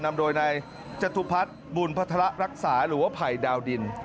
นำโดยนายจตุพัฒน์บุญพัฒระรักษาหรือว่าภัยดาวดิน